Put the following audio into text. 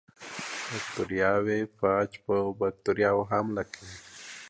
باکتریوفاج په باکتریاوو حمله کوي.